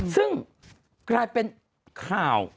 ซึ่งกลายเป็นข่าว